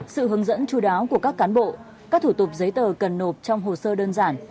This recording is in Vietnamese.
sự hướng dẫn chú đáo của các cán bộ các thủ tục giấy tờ cần nộp trong hồ sơ đơn giản